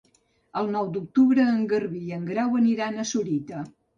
El nou d'octubre en Garbí i en Grau aniran a Sorita.